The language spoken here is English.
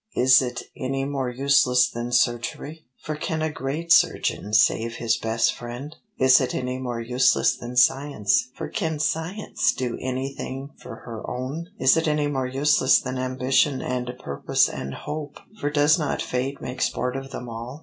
Is it any more useless than surgery? For can a great surgeon save his best friend? Is it any more useless than science for can science do anything for her own? Is it any more useless than ambition and purpose and hope for does not fate make sport of them all?